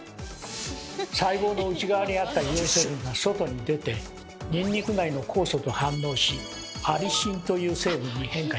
細胞の内側にあった硫黄成分が外に出てニンニク内の酵素と反応しアリシンという成分に変化します。